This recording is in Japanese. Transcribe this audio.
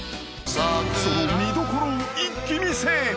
［その見どころを一気見せ］